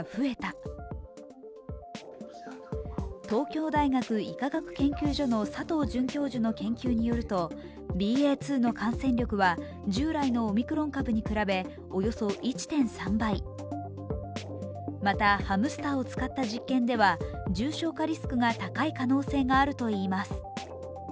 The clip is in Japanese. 東京大学医科学研究所の佐藤准教授の研究によるとＢＡ．２の感染力は従来のオミクロン株に比べおよそ１．３倍、また、ハムスターを使った実験では重症化リスクが高い可能性があるといいます。